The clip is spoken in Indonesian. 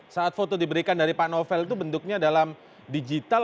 saat foto diberikan dari pak novel itu bentuknya dalam digital